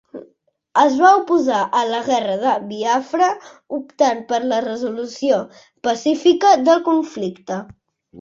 Es va oposar a la guerra de Biafra optant per la resolució pacífica del conflicte.